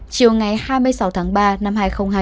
chiều ngày hai mươi sáu tháng ba năm hai nghìn hai mươi